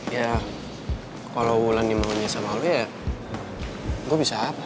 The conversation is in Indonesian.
ya kalau wulan dimau nyasam sama lo ya gue bisa apa